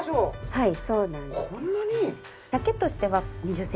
はい。